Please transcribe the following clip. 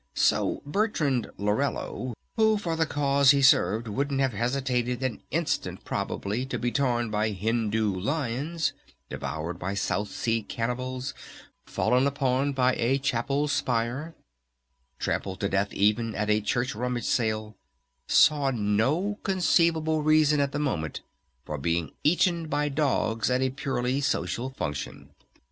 So Bertrand Lorello, who for the cause he served, wouldn't have hesitated an instant probably, to be torn by Hindoo lions, devoured by South Sea cannibals, fallen upon by a chapel spire, trampled to death even at a church rummage sale, saw no conceivable reason at the moment for being eaten by dogs at a purely social function.